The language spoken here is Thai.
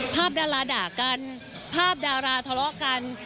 ดาราด่ากันภาพดาราทะเลาะกัน